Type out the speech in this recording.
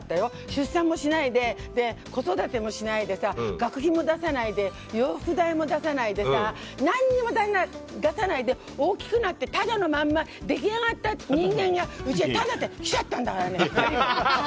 出産もしないで子育てもしないでさ学費も出さないで洋服代も出さないで何も出さないで大きくなってただのまんま出来上がった人間が来ちゃったんだからね。